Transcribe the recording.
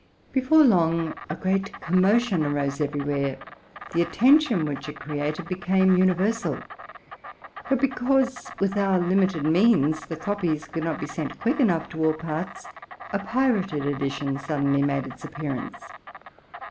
Before long a great commo tion arose everywhere: the attention which it created became universal. But because, with our limited means, the copies could not be sent quickly enough to all parts, a pirated edi tion suddenly made its appearance.